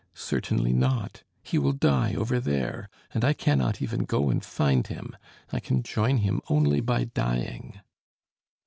Certainly not; he will die over there, and I cannot even go and find him; I can join him only by dying."